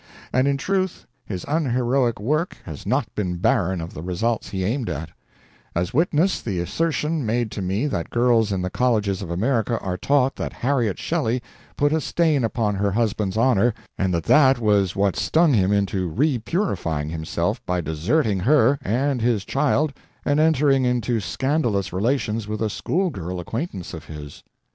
And in truth his unheroic work has not been barren of the results he aimed at; as witness the assertion made to me that girls in the colleges of America are taught that Harriet Shelley put a stain upon her husband's honor, and that that was what stung him into repurifying himself by deserting her and his child and entering into scandalous relations with a school girl acquaintance of his.